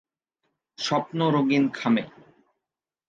স্বপ্ন রঙ্গিন খামে।।